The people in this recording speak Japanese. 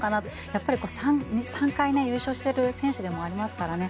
やっぱり３回優勝している選手でもありますからね。